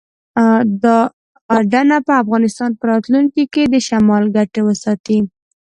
دا اډانه به د افغانستان په راتلونکي کې د شمال ګټې وساتي.